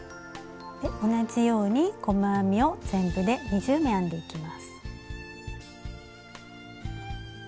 で同じように細編みを全部で２０目編んでいきます。